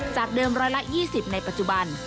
จากเดิมร้อยละ๒๐ในปัจจุบัน